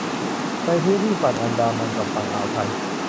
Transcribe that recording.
ในพื้นที่ฝั่งอันดามันกับฝั่งอ่าวไทย